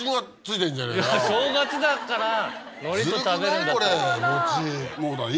正月だから。